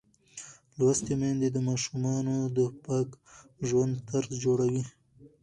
لوستې میندې د ماشومانو د پاک ژوند طرز جوړوي.